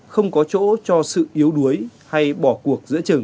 không có chỗ cho sự yếu đuối hay bỏ cuộc giữa trường